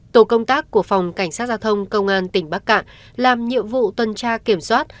tổ công tác của phòng cảnh sát giao thông công an tỉnh bắc cạn làm nhiệm vụ tuần tra kiểm soát